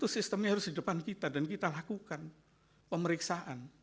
sistemnya harus di depan kita dan kita lakukan pemeriksaan